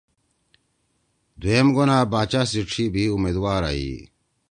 دُھوئم گونا باچا سی ڇھی بھی اُمیدوارا ہی۔